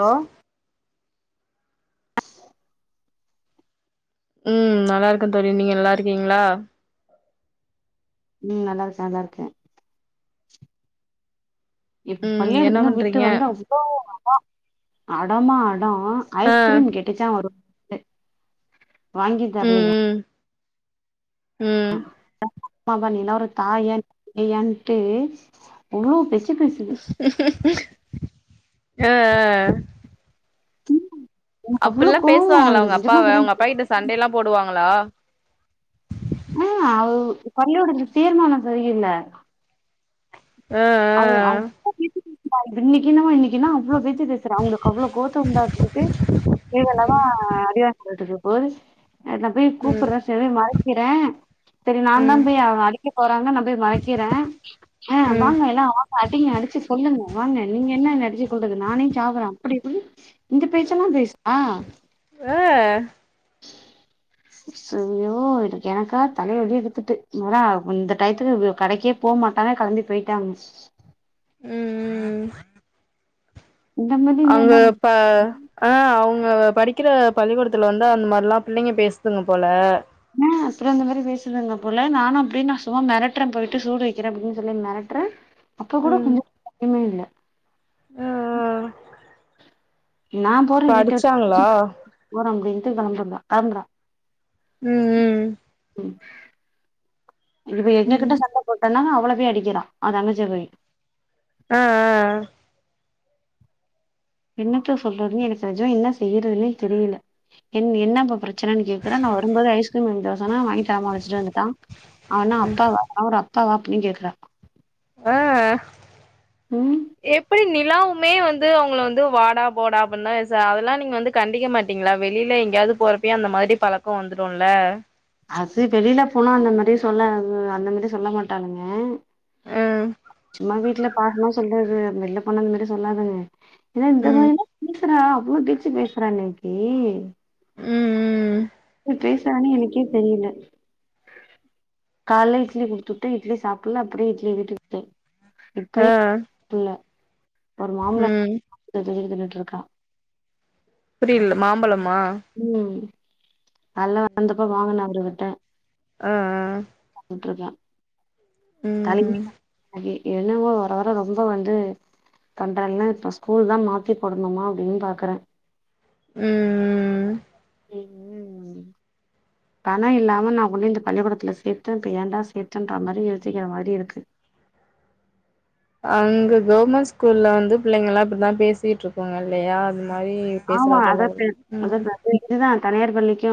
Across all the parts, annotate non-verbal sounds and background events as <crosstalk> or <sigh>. allow ம் நல்லா இருக்க தோழி நீங்க நல்லா இருக்கீங்ளா ம் நல்லா இருக்கே நல்லா இருக்கே இப்ப ம் என்ன பள்ளிக்குடத்துலருந்து விட்டு பண்றீங்க வந்து அவ்ளோ அடம் அடமா அ டோ ஆ ஐஸ்கிரீம் கெட்டிச்சா ஒரு <inaudible> வாங்கி தரலையா ம் ம் ம் பாப்பா நீலா ஒரு தாயா நீயான்ட்டு அவ்ளோ பேச்சி பேசு ஆ ஆ எனக்கு அவ்ளோ அப்டில்லா கோவோ பேசுவாங்களா அவுங்க எனக்கு நிஜமா அப்பாவ சொல்ல அவுங்க அப்பா கிட்ட சண்டைலா போடுவாங்களா ஆ அவு பல்லூட சீர்மானம் சரியில்ல ஆ ஆ அவ அவ்ளோ பேச்சி பேசுதா அது இன்னைக்கு என்னமோ இன்னைக்கு என்னா அவ்ளோ பேச்சி சி பேசறா அவுங்களுக்கு அவ்ளோ கோத்தம் இருந்தா கேட்டு இவெல்லவான் அடி ரோட்டுக்கு போது ஆ நா போயி ம் கூப்பற செலய மறைக்கிறே சரி நான் தான் ம் போயி அவன அடிக்க போறாங்க நா போயி மறிக்கிறன் ஆ ம் வாங்க எல்லாரு வாங்க அடிங்க அடிச்சி கொல்லுங்க வாங்க நீங்க என்ன அடிச்சி கொல்றது நானே சாவறே அப்டி இப்டி இந்த பேச்செல்லாம் பேசறா ஆ ஐயோ எனக்கு எனக்கா தலைவலி எடுத்துட்டு மேடா இந்த டயத்துக்கு கடைக்கே போ மாட்டாங்க கலம்பி போயிட்டாங்க ம் ம் இந்த மாரி இந்த அங்க என்ன இப்ப ஆ அவுங்க படிக்கிற பள்ளிக்கூடத்துல வந்து அந்த மாரிலா பிள்ளைங்க பேசுதுங்க போல இன்னா அப்றோம் இந்த மாரி பேசுதுங்க போல நானும் அப்டின் நா சும்மா மெரட்டறன் போயிட்டு சூடு வக்கிறன் அப்டின் சொல்லி மெரட்டற அப்ப கூட ம் கொஞ்சம் கூட பயமே இல்ல ஆ இப்ப அடிச்சாங்களா போற அப்டின்ட்டு கெளம்பிட்டிருந்தன் கெளம்பற ம் ம் ம் இவன் ம் எங்ககிட்ட சண்ட போட்டனா அவள போயி அடிக்கிறா அவ தங்கச்சிய போயி ஆ ஆ என்னத்தா சொல்றதுன்னு எனக்கு தெரிஞ்சிம் என்ன செய்றதுன்னே தெரியல என் என்னா கூப்பறத் சின்னன் கேக்கறன் நா வரும்போது ஐஸ்கிரீம் வாங்கி தர சொன்ன அவன் வாங்கி தராம அழைச்சிட்டு வந்துட்டான் அவனா அப்பாவா அவ ஒரு அப்பாவா அப்டின்னு கேக்கறா ஆ ம் எப்டி நிலாவுமே வந்து அவுங்கள வந்து வாடா போடா அப்டின்னுதா ஏசா அதல்லாம் நீங்க வந்து கண்டிக்க மாட்டீங்களா வெளியில எங்கயாவது போறப்பியு அந்த மாதிரி பழக்கம் வந்துடும் இல்ல அது வெளியில போனா அந்த மாரியே சொல்லாதுங்க அந்த மேரி சொல்ல மாட்டானுங்க ம் சும்மா வீட்ல பாக்கலா சொல்றது வெள்ல போனா அந்த மாதிரி சொல்லாதுங்க ஏனா இந்த ம் மாரிலாம் பேசுறா அவ்ளோ பேச்சி பேசறா இன்னைக்கி ம் ம் இவ பேசாறானே எனக்கே தெரியில கால்ல இட்லி குடுத்துட்டு இட்லி சாப்பல அப்டே இட்லி வீட்டுக்கு ஆ இப்பயு சாப்பல ஒரு மாமுலா ம் <inaudible> இட்லி தின்னுட்டு இருக்கா புரியில மாம்பழமா ம் அதல்லா ரந்துக்கோ வாங்கன அவுங்ககிட்ட ஆ திண்ட்ருக்கன் தலைவலி ம் <inaudible> எலும்பு வர வர ரொம்ப வந்து கண்றல்லா இப்ப ஸ்கூல்லாம் மாத்தி போடணுமா அப்டின் பாக்கறன் உம் <unintelligible> பணம் இல்லாம நா ஒன்னு இந்த பள்ளிக்கூடத்துல சேத்தே இப்ப ஏண்டா சேத்தேன்ற மாரி யோசிக்கிற மாரி இருக்கு அங்க கவுர்மெண்ட் ஸ்கூல்ல வந்து பிள்ளைங்கலா இப்டித்தா பேசிட்ருப்பாங்க இல்லயா அது மாரி பேசுறா ஆமா அத போல தெ அத ம் இதுதா தனியார் பள்ளிக்கோ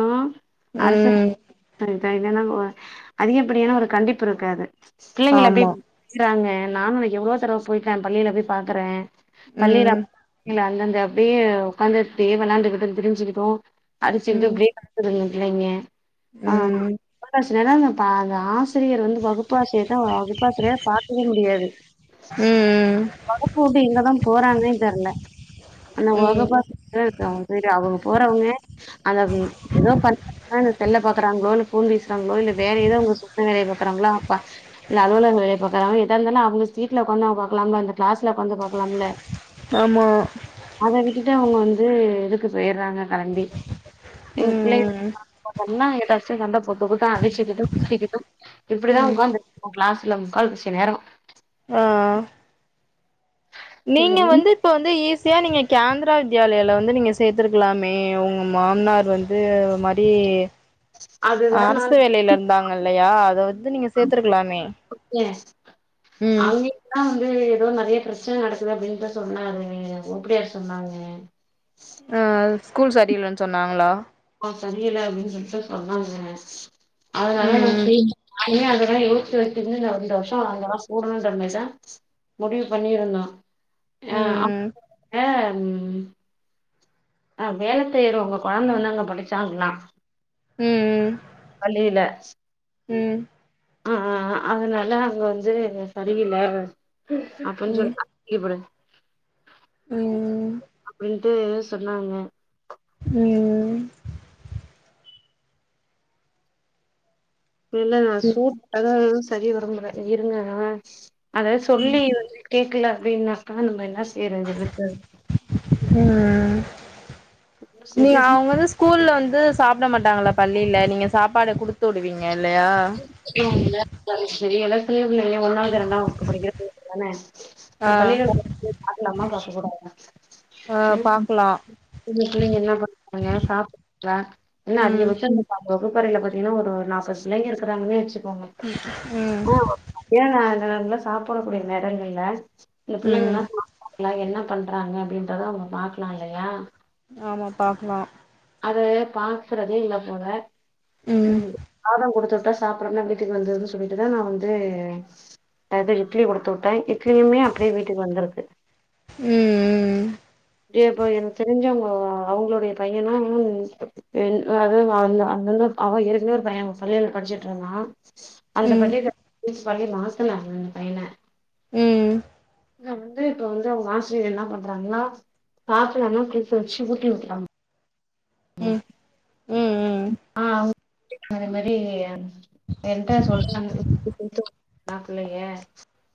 அரசு ம் துறை இப்ப என்னனா அதிகப்படியான ஒரு கண்டிப்பு இருக்காது பிள்ளைகள்ல எப்டி ஆமா நிக்குறாங்க நானு நா எவ்ளோ தடவ போயிட்டே பள்ளியில போய் பாக்கறே பள்ளியில ம் இல்ல அந்தந்த அப்டியே ஒக்காந்துட் தேவனான்டு பிரிஞ் பிரிஞ்சு நிப்போ அரசி வந்து ம் பிரேக்கப்ப திங்குதுங்க பிள்ளைங்க அ ம் புழுங்கல் அரிசி பாதாஸ் ஆசிரியர் வந்து வகுப்பாசிரியர் தான் வகுப்பாசிரியா பாக்கவே முடியாது ம் ம் வகுப்பு உட்டு எங்கதா போறாங்கன்னே தெர்ல ஆனா ம் வகுப்பாசி தல எழுத்து அவுங்க போயிட்டு அவுங்க போறவங்க அந்த ம் எதோ பண் ஒக்காந்து செல்ல பாக்குறாங்களோ இல்ல ஃபோன் பேசுறாங்களோ இல்ல வேற எதாவது உங்க சொந்த வேலைய பாக்குறாங்களா அப்பா இல்ல அலுவலகோ கடையாதுப்பா காலைல எட்டாவுதுனா அவுங்க சீட்ல ஒக்காந்தா பாக்கலாம்ல இல்ல கிளாஸ்ல ஒக்காந்து பாக்கலாம்லே ஆமா அத விட்டுட்டு அவுங்க வந்து எதுக்கு செய்யறாங்க கெளம்பி எங்க ம் பிள்ளை ம் இப்ப சொன்னா எதாச்சு சண்ட போட்டுக்கிட்டு அடிச்சுகிட்டு திட்டிகிட்டோ இப்படிதா ம் ஒக்காந்துட்ருப்போ கிளாஸ்ல முக்கால் வாசிநேரோ ஆ நீங்க என்ன வந்து இப்போ வந்து ஈஸியா நீங்க கேந்தரா வித்யாலயால வந்து நீங்க சேத்துருக்கலாமே உங்க மாம்னார் வந் இது அது மாரி அதுதா நா அரசு வேலையில இருந்தாங்க இல்லையா அத வந்து நீங்க சேத்துருக்கலாமே எஸ் உம் அங்கயுதா வந்து எதோ நறைய பிரச்சனை நடக்குது அப்டின்னுட்டுதா சொன்னாங் ஓப்புடியா சொன்னாங்க ஆ ஸ்கூல் சரியில்லன்னு சொன்னாங்களா அ சரியில்ல அப்டீன்னு சொல்லிட்டு சொன்னாங்க அதனால நா ம் போய் இனிமே அதலா யோசிச்சு வெச்சன்னு இன்னு நா ரெண்டு வர்ஷோ அங்கதா ஸ்டூடண்ட் அட்மிஷன் முடிவு பண்ணியிருந்தோ அ அப் ம் அ உம் ஆ வேல செய்றோவுங்க கொழந்த வந்து அங்க படிச்சாங்லா ம் ம் பள்ளியில உம் ஆ ஆ அதனால அங்க வந்து சரியில்ல அப்டீன்னு ம் சொல்ட் இப்புடி ம் அப்டீன்ட்டு சொன்னாங்க ம் இல்ல நா சூட் அத சரி வர விரும்புறே இருங்க நா அத சொல்லி வந்து கேக்கல அப்டீன்னாக்கா நம்ம இன்னா செய்றது அதுக்கு அ நீ செய்ய அவுங்கதா சொ ஸ்கூல்ல வந்து சாப்ட மாட்டாங்களா பள்ளியில நீங்க சாப்பாடு குடுத்து விடுவீங்க இல்லயா சரி எல்லா சின்ன பிள்ளைங்க ஒன்னாவது இரண்டாம்க்கு படிக்கிறது பிள்ளைங்க தானே ஆ நா பள்ளிக்கூடோ <unintelligible> போய் பாக்கலாமா பாக்க கூடாதா ஆ பாக்கலா உங்க பிள்ளங்க இன்னா பண்றாங்க சாப்ட்டீங்கலா என்ன ம் அதிகபட்சம் வகுப்பறையில பாத்தீங்னா ஒரு நாற்பது பிள்ளைங்க இருக்கிறாங்கன்னே வச்சுக்கோங்க ம் ஏனா அந்த நல்ல நேரத்தல சாப்டக்கூடிய நேரங்கள்ல இந்த ம் பிள்ளைங்கல்லா சாப் டிங்லா என்ன பண்றாங்க அப்டின்றத அவுங்க பாக்லா இல்லையா ஆமா பாக்னோ அத பாக்கறதே இல்ல மேத ம் சாதம் குடுத்துட்டாஸ் சாப்டாம வீட்டுக்கு வந்துன்னு சொல்லிட்டு தா நா வந்து அது இட்லி குடுத்துவுட்ட இட்லியுமே அப்டியே வீட்டுக்கு வந்திருது ம் ம் ஏப்பா எனக்கு தெரிஞ்சவுங்கோ அவுங்ளுடைய பையனோனு என் அது வாழ்ந்தா அந்தந்த அவ ஏற்கனவே ஒரு பைய சொல்லலே படிச்சிட்டு இருந்தா ம் அந்த ம் பள்ளில <inaudible> மாஸ்ட்டன் ஆக்குன அந்த பையன ம் இங்க வந்து இப்ப வந்து அவுங்க ஆசிரியர் என்ன பண்றாங்னா சாப்லன்னா புடிச்சி வச்சி ஊட்டி உட்டுறாங்க ம் அதே மாரி யம் <inaudible>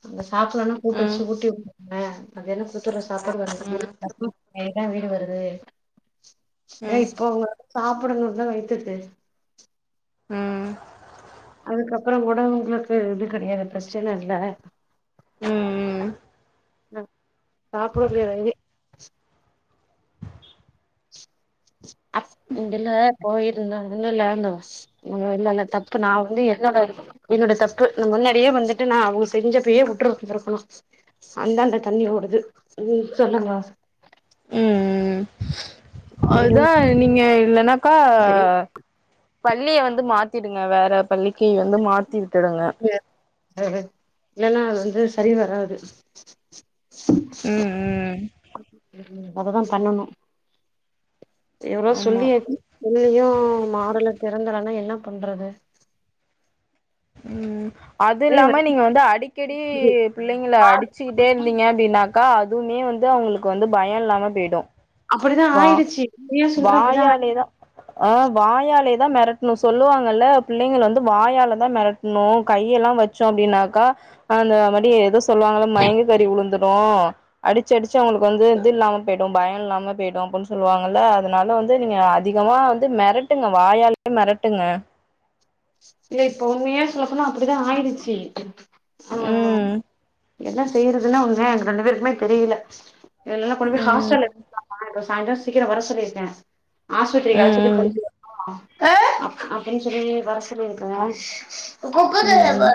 அந்த சாப்ல்லன்னா கூட்டு வச்சு ம் ஊட்டி உடுனுல அது என்ன குடுத்துற சாப்பாடு <inaudible> அதுதா விடு வருது ம் ஏ போ சாப்புடுனுனா வீட்டுக்கு அ அதுக்கப்றோ கூட உங்ளுக்கு இது கெடயாது பிரச்சன இல்ல ம் ம் பாப்பற்லே இது அப் இதுல போய் இருந்த இன்னு லேண்ட் வாஷ் இல்ல இல்ல தப்பு நா வந்து என்னோட இதுக்கு என்னோட தப்பு நா முன்னாடியே வந்துட்டு நா அவுங்க செஞ்சப்பயே உட்ருந்ருக்கனோ அந்தா இந்த தண்ணி வருது சொன்னமிலா ம் ம் அது எதுவும் தா நீங்க இல்லனாக்கா சரி பள்ளிய வந்து மாத்திடுங்க வேற பள்ளிக்கி வந்து மாத்தி விட்டடங்க இல்லன்னா அது வந்து சரி வராது ம் ம் அததா பண்ணனு எவ்ளோ ஆமா சொல்லிய <unintelligible> மாறல திறந்தலனா என்ன பண்றது ம் அது ஒரே இல்லாம நீங்க வந்து அடிக்கடி வலிக்குது பிள்ளைங்கல்ல அடிச் ச்சிக்கிட்டே இருந்தீங்க அப்டன்னாங்கா அதுவுமே வந்து அவுங்களுக்கு வந்து பய இல்லாம போய்டு அப்டிதா வா ஆயிடுச்சு உண்மையா சொல்ற அப்டிதா ஆயிடுச்சு வாயாலே தா அ வாயாலே தா மெரட்னோ சொல்லுவாங்கல்ல பிள்ளைங்கல்ல வந்து வாயால தா மெரட் னோ கையெல்லா வச்சோ அப்டின்னாக்கா அந்த மாரி ஏதோ சொல்லுவாங்கல்ல மயங்கி கறி உளுந்துரோ அடிச்சி அடிச்சி அவுங்களுக்கு வந்து இது இல்லாம போயிடோ பயோ இல்லாம போயிடோ அப்புன் சொல்லுவாங்கல்ல அதனால வந்து நீங்க அதிகமா வந்து மெரட்டுங்க வாயாலயே மெரட்டுங்க இல்ல இப்ப உண்மையா சொல்ல போனா அப்டிதா ஆயிடுச்சி ஆ ஆ ம் என்ன செய்யறதுன்னே ஒன்னுமே எங்க ரெண்டு பேருக்குமே தெரியல எதுலல்லா கொண்டு போய் ம் ஹாஸ்ட்டல்ல ம் எதா ஆழச்சிட்டுய் போ ம் <inaudible> அப்டின்னு சொல்லி வர சொல்லிருக்கங்க ம்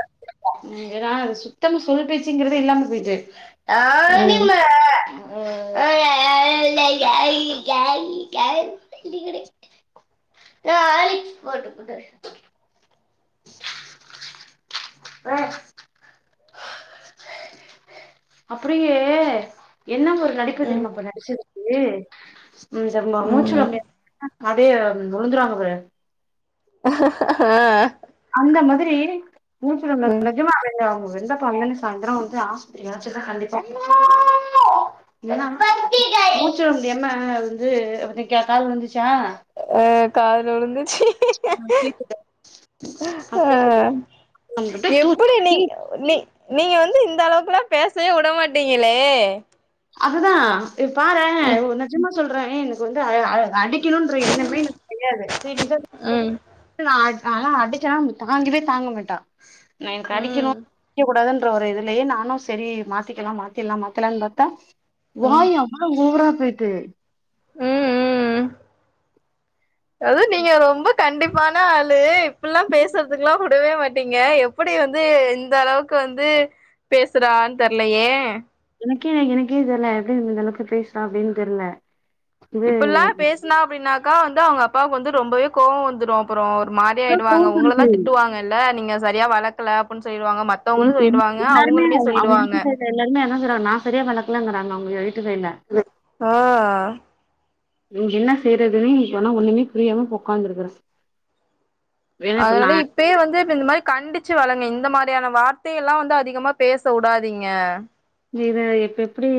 ம் ஏனா அது சுத்தம் சொல் பேச்சுங்றதே இல்லாம போயிட்டு அ ம் <inaudible> <inaudible> ஒ ஆயி போட்டு குடு <inaudible> ஆ அப்டியே என்ன ஒரு நடிப்பு ம் தெரியும்மா அப்ப நடிச்சது ஏ உ ம் மூச்ச ம் <unintelligible> அதே விழுந்துராங்க ஆ அந்த மாதிரி மூச்சல ம் நிஜமாவே ஆ வெந்த பண்ணன்னு சாயந்திர வந்து ஆஸ்பத்திரி ஏதாச்சு நா கண்டிப்பா மூச்சு விட முடியமா வந்து இன்னைக்கு யாருக்காவது வந்துச்சா அ காதுல விழுந்துச்சு ஆ எப்டி நீங் <unintelligible> நீ நீங்க வந்து இந்த அளவுக்குல்லா பேசவே விடமாட்டீங்களே அது தா பாரே ம் நிஜமா சொல்றே எனக்கு வந்து அடி னும்ன்ற எண்ணமே எனக்கு கிடையாது சீரியஸா ம் நா ஆனா அடிச்சேன்னா தாங்கிவே தாங்க மாட்டா நா எனக்கு அடிக்கணு ம் அடிக்க கூடாதுன்ற ஒரு இதுலயே நானு சரி மாத்திக்கலாம மாத்திலா மாத்தலாம்னு பாத்தா ம் வாயு அவள ஊவரா போயிட்டு ம் ம் அது நீங்க ரொம்ப கண்டிப்பான ஆளு இப்பல்லா பேசுறதுக்குல்லா விடவே மாட் நீங்க எப்டி வந்து இந்த அளவுக்கு வந்து பேசுறான்னு தெரிலையே எனக்கே எனக்கே தெரில எப்டி இந்த அளவுக்கு பேசுறா அப்டின்னு தெரில இப்பல்லா பேசுனா அப்டின்னாக்கா வந்து அவங்க அப்பாவுக்கு வந்து ரொம்பவே கோவ வந்துரு அப்புற ஒரு மா ஆயிடுவாங்க உங்கள தா திட்டுவாங்க இல்ல நீங்க சரியா வளக்கல அப்பின்னு சொல்லிடுவாங்க மத்த மத்தவங்களு சொல்லிடுவாங்க எல்லாருமே அவங்களுமே அவங்க சொல்லிடுவாங்க வீட்டு எல்லாருமே என்ன செய்றாங்க நா சரியா வளக் கலங்குறாங்க அவங்க வீட்டு சைடுல ஆ நீங்க என்ன செய்யறதுன்னே சொன்னா ஒண்ணுமே புரியாம உக்காந்துருக்கறே அதனால இப் ப்பே வந்து இப்ப இந்த மாதிரி கண்டிச்சு வளங்க இந்த மாதிரியான வார்த்தை எல்லா வந்து அதிகமா பேச விடாதீங்க ஜீவ இப்ப எப்டி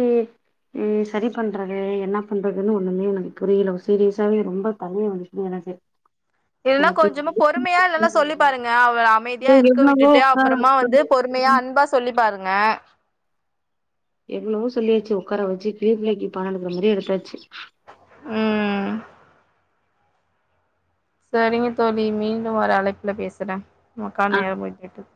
இது சரி பண்றது என்ன பண்றதுன்னு ஒண்ணுமே எனக்கு புரியல சீரியஸாவே ரொம்ப தலை வலிக்குது எனக்கு இல்ல கொஞ்சமா இப்ப பொறுமையா இல்லன்னா சொல்லி பாருங்க அவ நீ அமைதியா இருக்க எவ்ளவோ விட்டுட்டு உக்கார அப்புறமா உக்கார வந்து பொறுமையா வச்சு அன்பா சொல்லி பாருங்க எவ்வளவோ சொல்லியாச்சு உக்கார வச்சு கிளிபில்லைக்கு பாடம் நடத்துற மாரி எடுத்தாச்சு அ சரிங்க தோழி மீண்டும் வர அழைப்பில பேசுறே மக்கால் ஆ நேரம் போயிகிட்டு இருக்